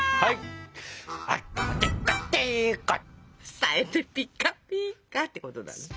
さえてピカピカってことだね。